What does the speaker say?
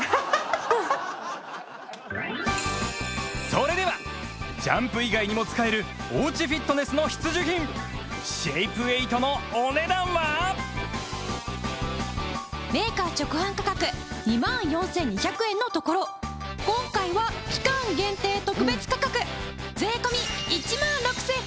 それではジャンプ以外にも使えるお家フィットネスの必需品メーカー直販価格２万４２００円のところ今回は期間限定特別価格税込１万６８００円！